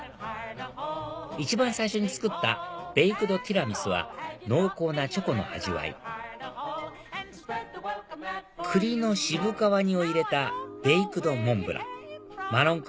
一番最初に作ったベイクドティラミスは濃厚なチョコの味わい栗の渋皮煮を入れたベイクドモンブランマロン